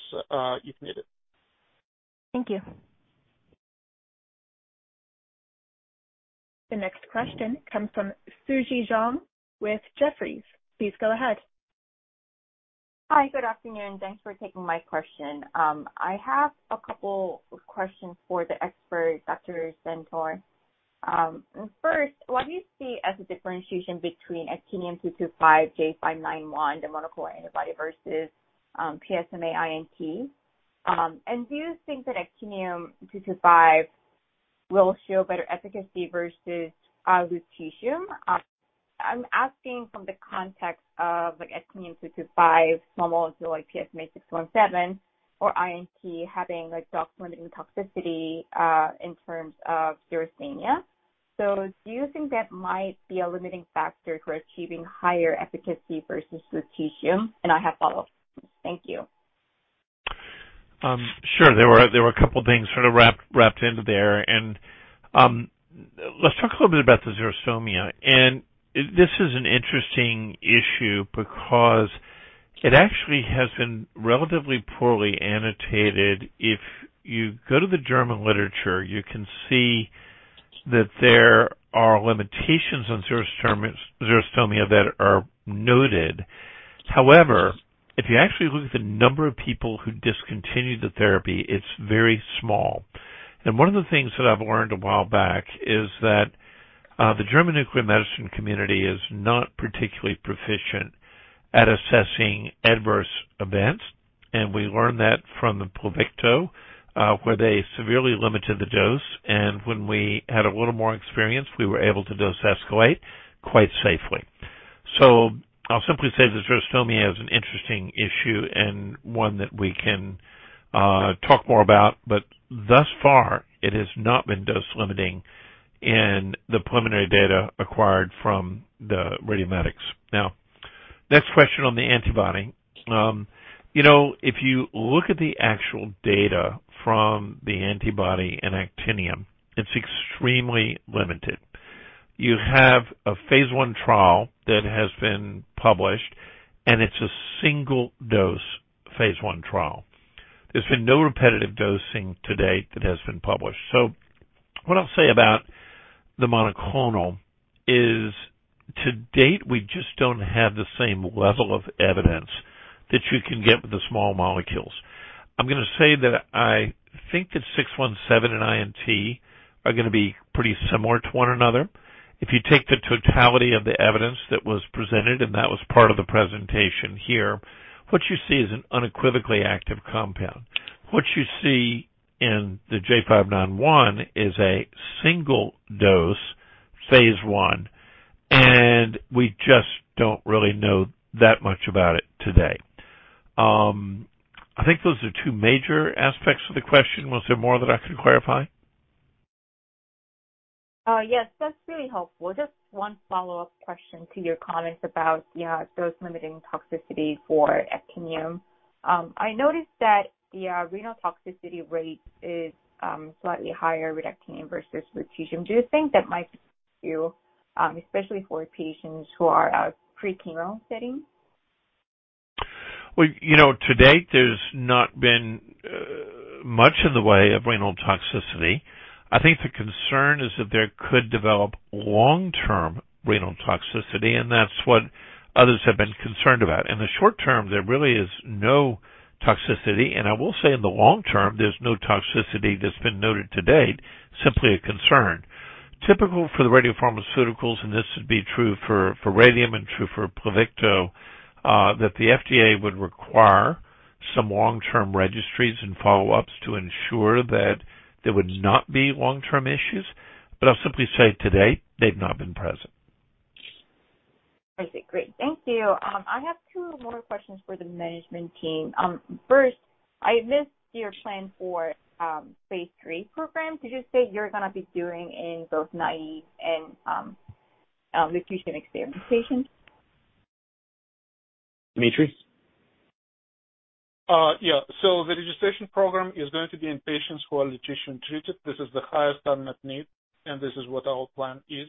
Speaker 5: if needed.
Speaker 9: Thank you.
Speaker 1: The next question comes from Suji Jeong with Jefferies. Please go ahead.
Speaker 10: Hi, good afternoon. Thanks for taking my question. I have a couple of questions for the expert, Dr. Sartor. First, what do you see as the differentiation between actinium-225 J591, the monoclonal antibody versus PSMA I&T? Do you think that actinium-225 will show better efficacy versus lutetium? I'm asking from the context of, like, actinium-225 small molecule like PSMA-617 or I&T having a dose-limiting toxicity in terms of xerostomia. Do you think that might be a limiting factor for achieving higher efficacy versus lutetium? I have follow-ups. Thank you.
Speaker 4: Sure. There were a couple things sort of wrapped into there. Let's talk a little bit about the xerostomia. This is an interesting issue because it actually has been relatively poorly annotated. If you go to the German literature, you can see that there are limitations on xerostomia that are noted. However, if you actually look at the number of people who discontinued the therapy, it's very small. One of the things that I've learned a while back is that the German nuclear medicine community is not particularly proficient at assessing adverse events, and we learned that from the Pluvicto, where they severely limited the dose. When we had a little more experience, we were able to dose escalate quite safely. I'll simply say that xerostomia is an interesting issue and one that we can talk more about. Thus far it has not been dose limiting in the preliminary data acquired from the RadioMedix. Next question on the antibody. You know, if you look at the actual data from the antibody and actinium, it's extremely limited. You have a phase I trial that has been published, and it's a single-dose phase I trial. There's been no repetitive dosing to date that has been published. What I'll say about the monoclonal is, to date, we just don't have the same level of evidence that you can get with the small molecules. I'm gonna say that I think that 617 and I&T are gonna be pretty similar to one another. If you take the totality of the evidence that was presented, and that was part of the presentation here, what you see is an unequivocally active compound. What you see in the J591 is a single-dose phase I, and we just don't really know that much about it today. I think those are two major aspects of the question. Was there more that I can clarify?
Speaker 10: Yes, that's really helpful. Just one follow-up question to your comments about dose limiting toxicity for actinium. I noticed that the renal toxicity rate is slightly higher with actinium versus lutetium. Do you think that might affect you, especially for patients who are pre-chemo setting?
Speaker 4: Well, you know, to date, there's not been much in the way of renal toxicity. I think the concern is that there could develop long-term renal toxicity, and that's what others have been concerned about. In the short term, there really is no toxicity. I will say in the long term, there's no toxicity that's been noted to date, simply a concern. Typical for the radiopharmaceuticals, and this would be true for radium and true for Pluvicto, that the FDA would require some long-term registries and follow-ups to ensure that there would not be long-term issues. I'll simply say to date, they've not been present.
Speaker 10: I see. Great. Thank you. I have two more questions for the management team. First, I missed your plan for phase III program. Did you say you're gonna be doing in both naive and lutetium-experienced patients? Dmitri?
Speaker 5: Yeah. The registration program is going to be in patients who are lutetium treated. This is the highest unmet need, and this is what our plan is.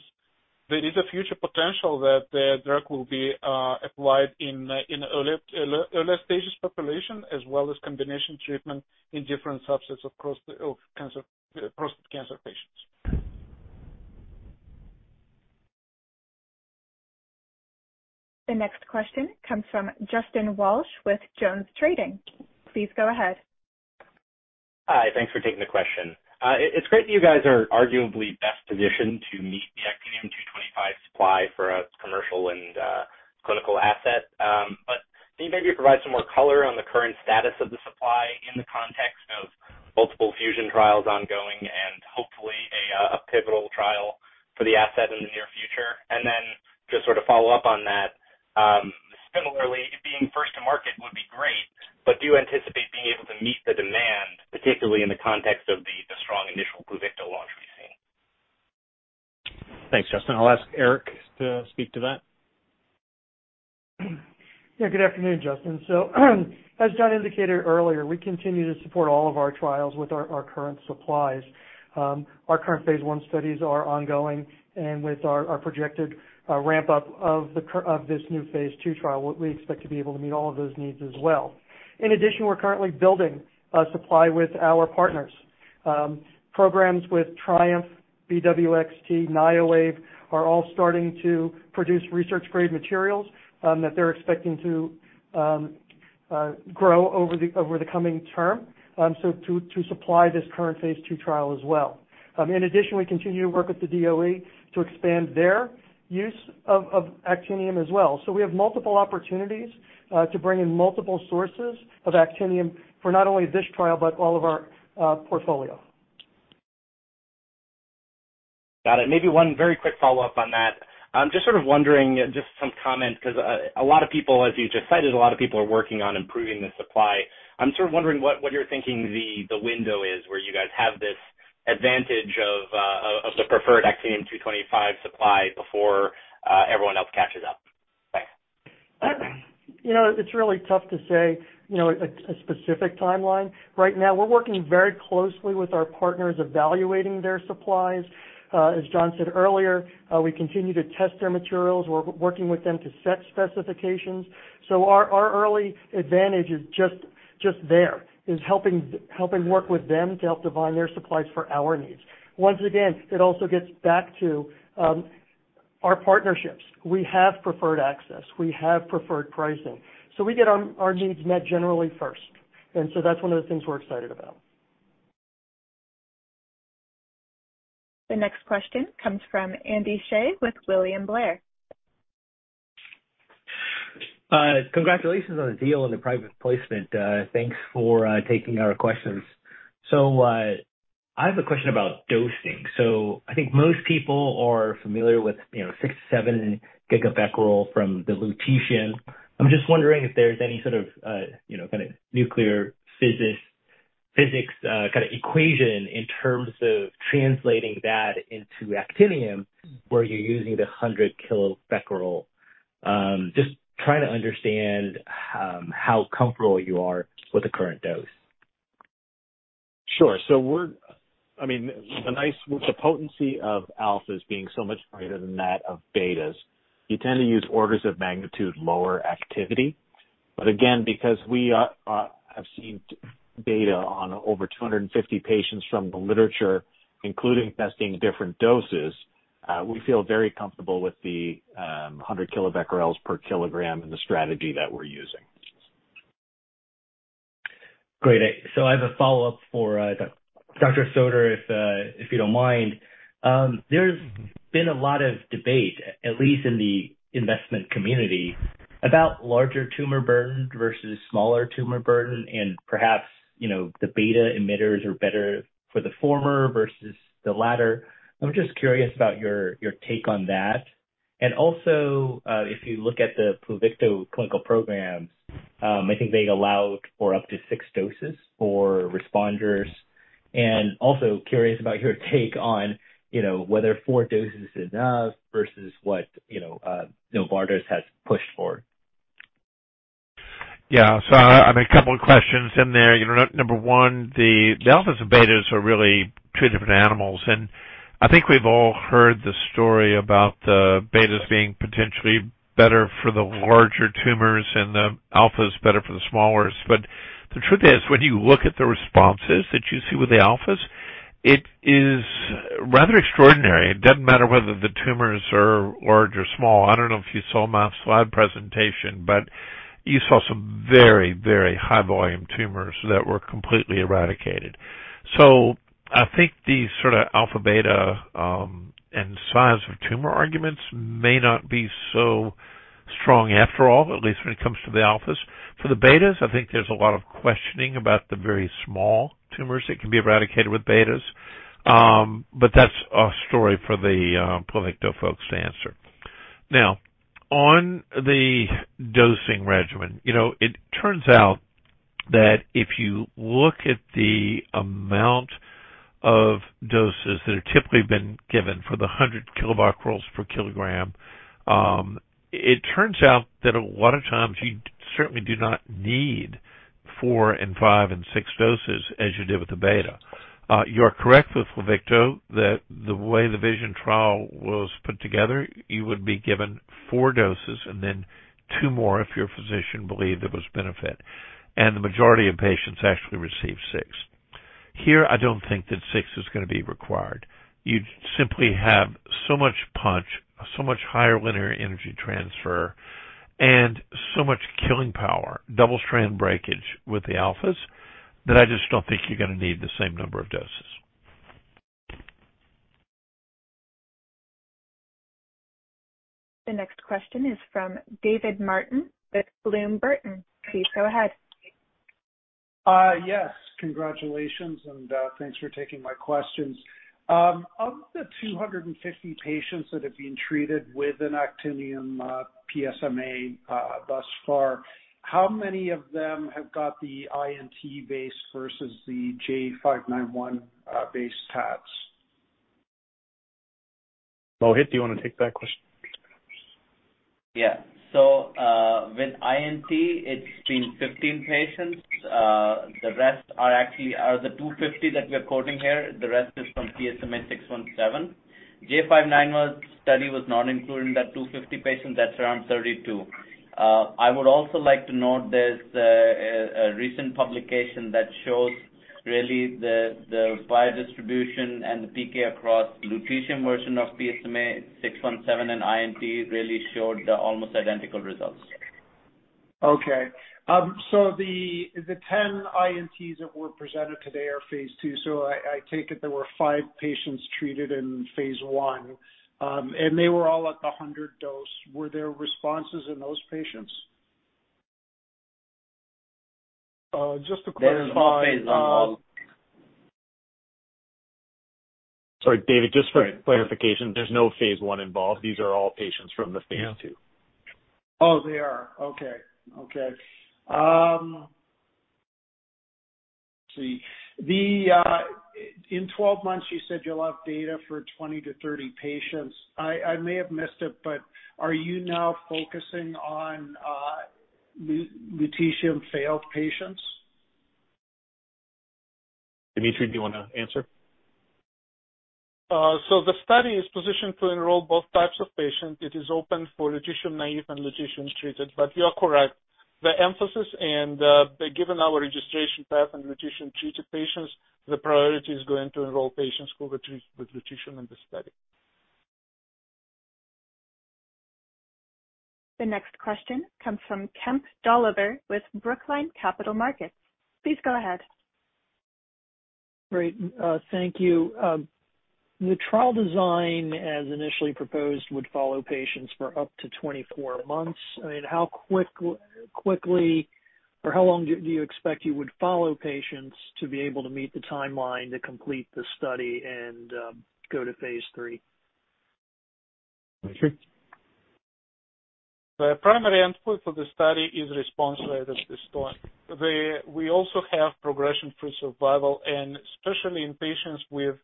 Speaker 5: There is a future potential that the drug will be applied in earlier stages population as well as combination treatment in different subsets of prostate cancer patients.
Speaker 1: The next question comes from Justin Walsh with JonesTrading. Please go ahead.
Speaker 11: Hi. Thanks for taking the question. It's great that you guys are arguably best positioned to meet the actinium-225 supply for a commercial and clinical asset. Can you maybe provide some more color on the current status of the supply in the context of multiple Fusion trials ongoing and hopefully a pivotal trial for the asset in the near future? Just sort of follow up on that. Similarly, being first to market would be great, but do you anticipate being able to meet the demand, particularly in the context of the strong initial Pluvicto launch we've seen?
Speaker 3: Thanks, Justin. I'll ask Eric to speak to that.
Speaker 12: Yeah. Good afternoon, Justin. As John indicated earlier, we continue to support all of our trials with our current supplies. Our current phase I studies are ongoing, and with our projected ramp-up of this new phase II trial, we expect to be able to meet all of those needs as well. In addition, we're currently building a supply with our partners. Programs with TRIUMF, BWXT, Niowave are all starting to produce research-grade materials, that they're expecting to grow over the coming term, so to supply this current phase II trial as well. In addition, we continue to work with the DOE to expand their use of actinium as well. We have multiple opportunities to bring in multiple sources of actinium for not only this trial but all of our portfolio.
Speaker 11: Got it. Maybe one very quick follow-up on that. just sort of wondering, some comment, 'cause a lot of people, as you just cited, a lot of people are working on improving the supply. I'm sort of wondering what you're thinking the window is where you guys have this advantage of the preferred actinium-225 supply before everyone else catches up. Thanks.
Speaker 12: You know, it's really tough to say, you know, a specific timeline. Right now, we're working very closely with our partners evaluating their supplies. As John said earlier, we continue to test their materials. We're working with them to set specifications. Our early advantage is just there, is helping work with them to help divine their supplies for our needs. Once again, it also gets back to our partnerships. We have preferred access. We have preferred pricing. We get our needs met generally first, that's one of the things we're excited about.
Speaker 1: The next question comes from Andy Hsieh with William Blair.
Speaker 13: Congratulations on the deal and the private placement. Thanks for taking our questions. I have a question about dosing. I think most people are familiar with, you know, six, seven GBq from the lutetium. I'm just wondering if there's any sort of, you know, kind of nuclear physics, kind of equation in terms of translating that into actinium, where you're using the 100 kBq. Just trying to understand how comfortable you are with the current dose.
Speaker 3: Sure. I mean, The potency of alphas being so much greater than that of betas, you tend to use orders of magnitude lower activity, but again because we have seen data on over 250 patients from the literature, including testing different doses, we feel very comfortable with the 100 kBq per kg and the strategy that we're using.
Speaker 13: Great. I have a follow-up for Dr. Soter, if you don't mind. There's been a lot of debate, at least in the investment community, about larger tumor burden versus smaller tumor burden and perhaps, you know, the beta emitters are better for the former versus the latter. I'm just curious about your take on that. Also, if you look at the Pluvicto clinical programs, I think they allowed for up to six doses for responders. Also curious about your take on, you know, whether four doses is enough versus what, you know, Novartis has pushed for.
Speaker 4: I mean, a couple of questions in there. You know, number one, the alphas and betas are really two different animals, and I think we've all heard the story about the betas being potentially better for the larger tumors and the alphas better for the smallers. The truth is, when you look at the responses that you see with the alphas, it is rather extraordinary. It doesn't matter whether the tumors are large or small. I don't know if you saw Matt's slide presentation, but you saw some very, very high volume tumors that were completely eradicated. I think the sort of alpha-beta, and size of tumor arguments may not be so strong after all, at least when it comes to the alphas. For the betas, I think there's a lot of questioning about the very small tumors that can be eradicated with betas. That's a story for the Pluvicto folks to answer. On the dosing regimen, you know, it turns out that if you look at the amount of doses that have typically been given for the 100 kBq per kg, it turns out that a lot of times you certainly do not need four and five and six doses as you did with the beta. You are correct with Pluvicto that the way the VISION trial was put together, you would be given four doses and then two more if your physician believed there was benefit, and the majority of patients actually received six. Here, I don't think that six is gonna be required. You simply have so much punch, so much higher linear energy transfer, and so much killing power, double-strand breakage with the alphas, that I just don't think you're gonna need the same number of doses.
Speaker 1: The next question is from David Martin with Bloom Burton. Please go ahead.
Speaker 14: Yes. Congratulations and thanks for taking my questions. Of the 250 patients that have been treated with an actinium, PSMA, thus far, how many of them have got the I&T base versus the J591, base TATs?
Speaker 3: Mohit, do you wanna take that question?
Speaker 6: Yeah. With PSMA I&T, it's been 15 patients. The rest out of the 250 that we are quoting here, the rest is from PSMA-617. J591 study was not included in that 250 patients, that's around 32. I would also like to note there's a recent publication that shows really the biodistribution and the PK across Lutetium version of PSMA-617 and PSMA I&T really showed the almost identical results.
Speaker 14: Okay. The 10 INTs that were presented today are phase II. I take it there were five patients treated in phase I, and they were all at the 100 dose. Were there responses in those patients?
Speaker 3: Just to clarify.
Speaker 6: There was no phase I.
Speaker 3: Sorry, David, just for clarification, there's no phase I involved. These are all patients from the phase II.
Speaker 14: Oh, they are. Okay. Okay. let's see. In 12 months, you said you'll have data for 20-30 patients. I may have missed it, but are you now focusing on lutetium failed patients?
Speaker 3: Dmitri, do you wanna answer?
Speaker 5: The study is positioned to enroll both types of patients. It is open for lutetium naive and lutetium treated, you are correct. The emphasis and the given our registration path and lutetium treated patients, the priority is going to enroll patients who were treated with lutetium in the study.
Speaker 1: The next question comes from Kemp Dolliver with Brookline Capital Markets. Please go ahead.
Speaker 15: Great. Thank you. The trial design as initially proposed would follow patients for up to 24 months. I mean, how quickly or how long do you expect you would follow patients to be able to meet the timeline to complete the study and go to phase III?
Speaker 3: Dmitri?
Speaker 5: The primary endpoint for the study is response rate at this point. We also have progression-free survival, and especially in patients with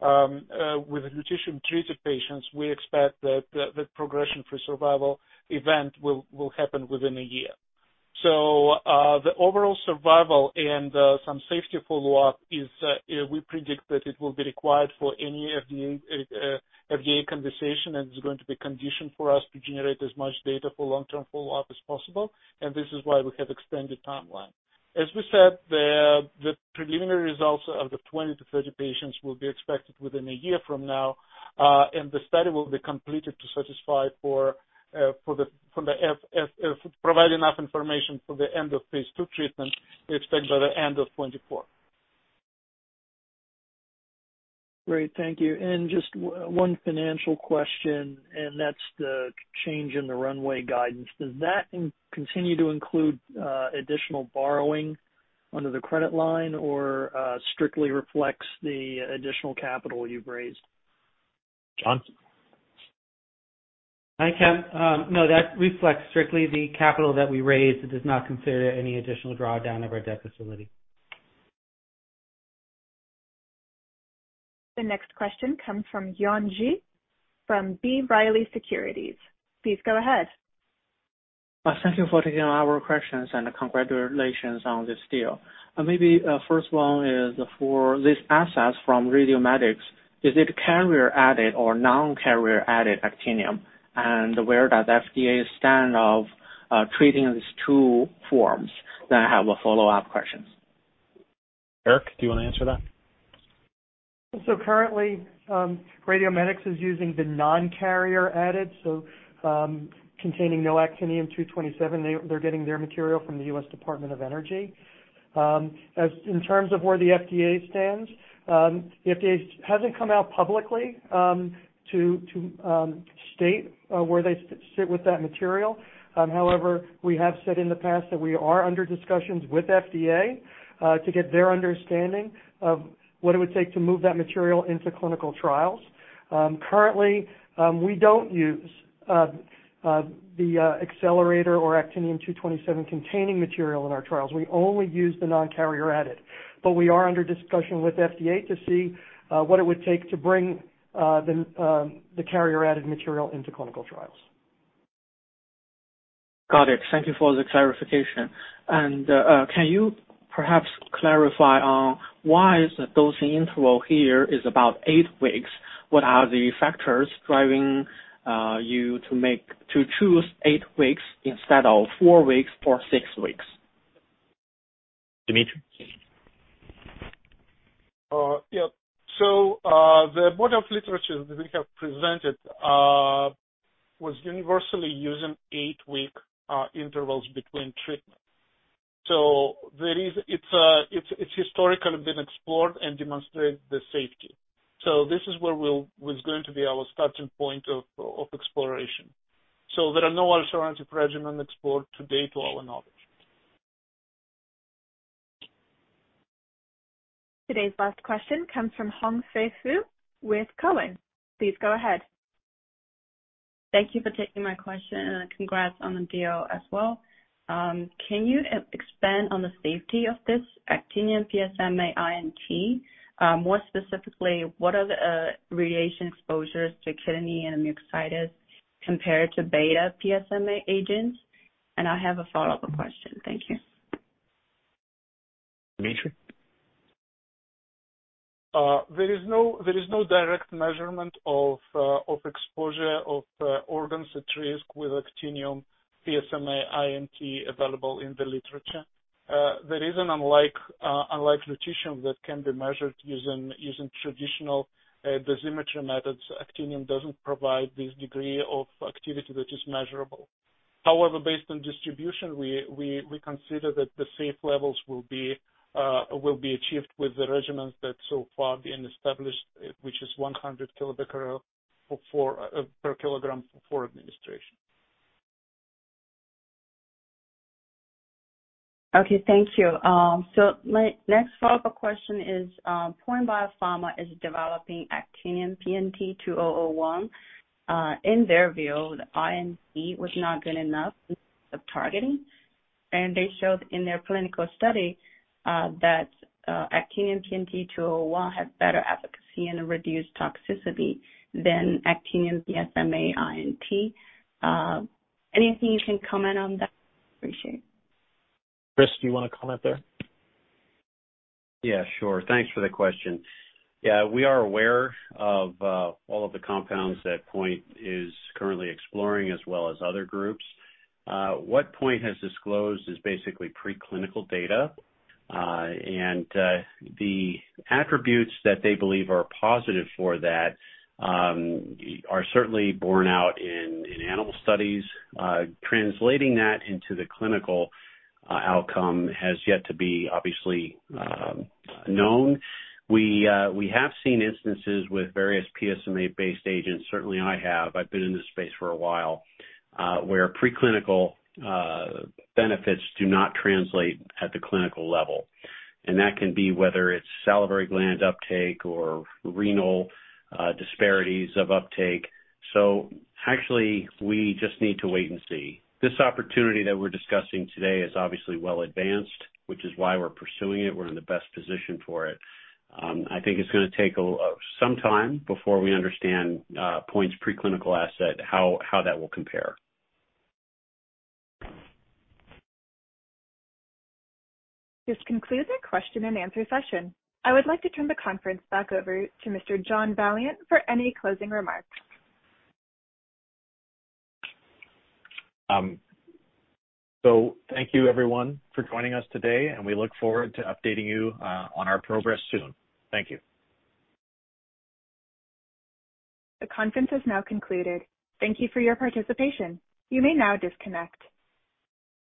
Speaker 5: lutetium treated patients, we expect that the progression-free survival event will happen within a year. The overall survival and some safety follow-up is, we predict that it will be required for any FDA conversation, and it's going to be condition for us to generate as much data for long-term follow-up as possible, and this is why we have extended timeline. As we said, the preliminary results of the 20 to 30 patients will be expected within a year from now, and the study will be completed to satisfy for the provide enough information for the end of phase II treatment, we expect by the end of 2024.
Speaker 15: Great. Thank you. Just one financial question, that's the change in the runway guidance. Does that continue to include additional borrowing under the credit line or strictly reflects the additional capital you've raised?
Speaker 3: John?
Speaker 16: Hi, Kemp. No, that reflects strictly the capital that we raised. It does not consider any additional drawdown of our debt facility.
Speaker 1: The next question comes from Yuan Zhi from B. Riley Securities. Please go ahead.
Speaker 17: Thank you for taking our questions, and congratulations on this deal. Maybe, first one is for this assets from RadioMedix. Is it carrier-added or non-carrier-added actinium? Where does FDA stand of, treating these two forms? I have a follow-up questions.
Speaker 3: Eric, do you wanna answer that?
Speaker 12: Currently, RadioMedix is using the non-carrier-added, so containing no actinium-227. They're getting their material from the US Department of Energy. As in terms of where the FDA stands, the FDA hasn't come out publicly to state where they sit with that material. However, we have said in the past that we are under discussions with FDA to get their understanding of what it would take to move that material into clinical trials. Currently, we don't use the accelerator or actinium-227 containing material in our trials. We only use the non-carrier-added. We are under discussion with FDA to see what it would take to bring the carrier-added material into clinical trials.
Speaker 17: Got it. Thank you for the clarification. Can you perhaps clarify on why is the dosing interval here is about 8 weeks? What are the factors driving you to choose eight weeks instead of four weeks or six weeks?
Speaker 3: Dmitri?
Speaker 5: Yeah. The body of literature that we have presented was universally using 8-week intervals between treatment. It's historically been explored and demonstrated the safety. This was going to be our starting point of exploration. There are no other therapy regimen explored to date to our knowledge.
Speaker 1: Today's last question comes from Hangfei Fu with Cowen. Please go ahead.
Speaker 18: Thank you for taking my question, congrats on the deal as well. Can you expand on the safety of this actinium PSMA I&T? More specifically, what are the radiation exposures to kidney and mucositis compared to beta PSMA agents? I have a follow-up question. Thank you.
Speaker 3: Dmitri?
Speaker 5: There is no direct measurement of exposure of organs at risk with actinium PSMA I&T available in the literature. The reason, unlike lutetium that can be measured using traditional dosimetry methods, actinium doesn't provide this degree of activity which is measurable. However, based on distribution, we consider that the safe levels will be achieved with the regimens that so far been established, which is 100 kBq per kg for four administration.
Speaker 18: Okay. Thank you. My next follow-up question is, POINT Biopharma is developing actinium PNT2001. In their view, the I&T was not good enough of targeting, and they showed in their clinical study that actinium PNT2001 had better efficacy and a reduced toxicity than actinium PSMA I&T. Anything you can comment on that? Appreciate.
Speaker 3: Chris, do you wanna comment there?
Speaker 19: Sure. Thanks for the question. We are aware of all of the compounds that POINT is currently exploring, as well as other groups. What POINT has disclosed is basically preclinical data. The attributes that they believe are positive for that are certainly borne out in animal studies. Translating that into the clinical outcome has yet to be obviously known. We have seen instances with various PSMA-based agents, certainly I have, I've been in this space for a while, where preclinical benefits do not translate at the clinical level. That can be whether it's salivary gland uptake or renal disparities of uptake. Actually, we just need to wait and see. This opportunity that we're discussing today is obviously well advanced, which is why we're pursuing it. We're in the best position for it. I think it's gonna take a some time before we understand POINT's preclinical asset, how that will compare.
Speaker 1: This concludes our question and answer session. I would like to turn the conference back over to Mr. John Valliant for any closing remarks.
Speaker 3: Thank you everyone for joining us today, and we look forward to updating you on our progress soon. Thank you.
Speaker 1: The conference has now concluded. Thank you for your participation. You may now disconnect.